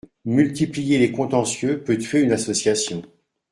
Multiplier les contentieux peut tuer une association.